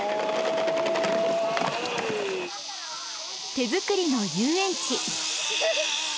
手作りの遊園地。